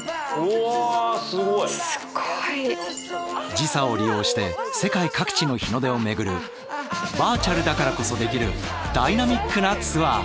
時差を利用して世界各地の日の出を巡るバーチャルだからこそできるダイナミックなツアー！